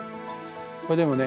それでもね